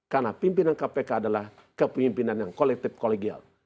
karena pimpinan kpk adalah kepemimpinan yang kolektif kol gel